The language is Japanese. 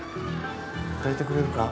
だいてくれるか？